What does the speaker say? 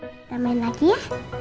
kita main lagi ya